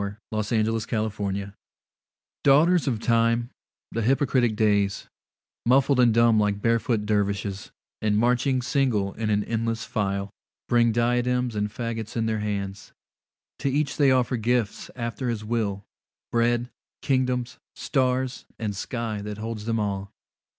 Ralph Waldo Emerson Days DAUGHTERS of Time, the hypocritic Days, Muffled and dumb like barefoot dervishes, And marching single in an endless file, Bring diadems and faggots in their hands. To each they offer gifts after his will, Bread, kingdoms, stars, and sky that holds them all.